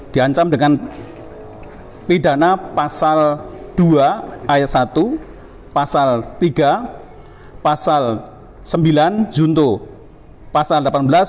diancam dengan pidana pasal dua ayat satu pasal tiga pasal sembilan junto pasal delapan belas